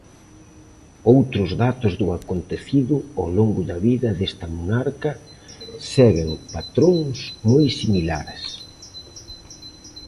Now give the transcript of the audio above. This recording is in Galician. Outros datos do acontecido ao longo da vida desta monarca seguen patróns moi similares.